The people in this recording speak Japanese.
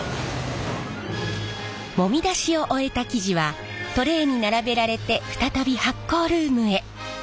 もみ出しを終えた生地はトレーに並べられて再び発酵ルームへ。